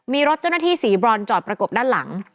มีรถเจ้าหน้าที่สีบรอนจอดประกบด้านหลัง